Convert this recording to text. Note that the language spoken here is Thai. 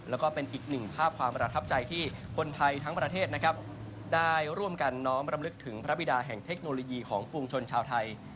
แล้วก็เป็นอีกหนึ่งภาพความประทับใจที่คนไทยทั้งประเทศนะครับได้ร่วมกันน้อมรำลึกถึงพระบิดาแห่งเทคโนโลยีของปวงชนชาวไทย